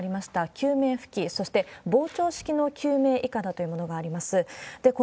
救命浮器、そして膨張式の救命いかだというものがあります。